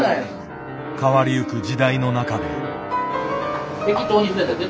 変わりゆく時代の中で。